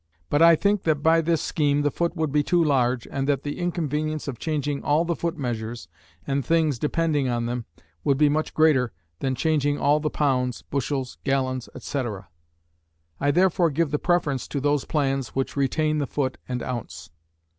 But I think that by this scheme the foot would be too large, and that the inconvenience of changing all the foot measures and things depending on them, would be much greater than changing all the pounds, bushels, gallons, etc. I therefore give the preference to those plans which retain the foot and ounce.